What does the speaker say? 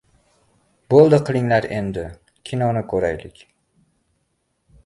— Bo‘ldi qilinglar endi, kinoni ko‘raylik!